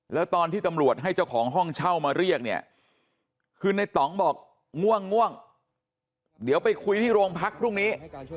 แล้วตอนที่ตำรวจให้เจ้าของห้องเช่ามาเรียกเนี่ยคือในต่องบอกง่วงง่วงเดี๋ยวไปคุยที่โรงพักพรุ่งนี้